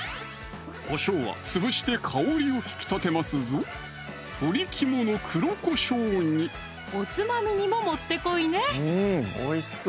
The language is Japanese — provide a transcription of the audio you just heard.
こしょうは潰して香りを引き立てますぞおつまみにももってこいね！